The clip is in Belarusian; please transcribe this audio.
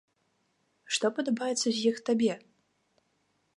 Што падабаецца з іх табе?